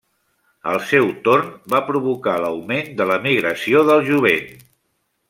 Al seu torn va provocar l'augment de l'emigració del jovent.